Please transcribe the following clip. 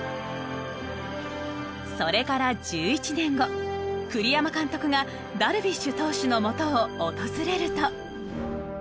それから１１年後栗山監督がダルビッシュ投手のもとを訪れると。